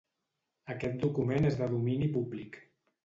Aquest document és de domini públic.